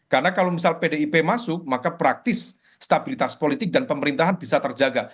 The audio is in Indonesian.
karena kalau misal pdip masuk maka praktis stabilitas politik dan pemerintahan bisa terjaga